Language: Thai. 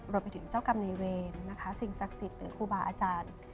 รวมไปถึงเจ้ากรรมในเวรนะคะสิ่งศักดิ์สิทธิ์หรือครูบาอาจารย์